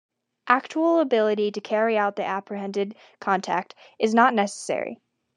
Actual ability to carry out the apprehended contact is not necessary.